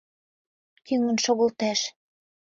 Тӱҥын шогылтеш.